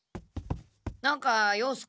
何か用っすか？